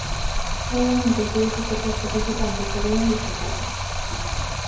Novamente, pídese ás persoas participantes que acudan disfrazadas.